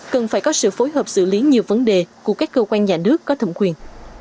cần phải có sự phối hợp xử lý nhiều vấn đề của các cơ quan nhà nước có thẩm quyền